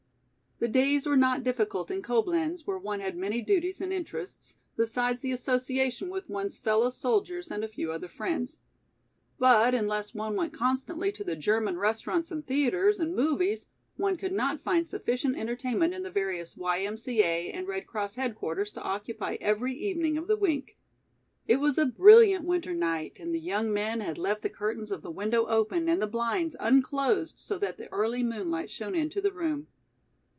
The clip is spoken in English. The days were not difficult in Coblenz where one had many duties and interests, besides the association with one's fellow soldiers and a few other friends. But unless one went constantly to the German restaurants and theatres and movies, one could not find sufficient entertainment in the various Y. M. C. A. and Red Cross headquarters to occupy every evening of the week. It was a brilliant winter night and the young men had left the curtains of the window open and the blinds unclosed so that the early moonlight shone into the room.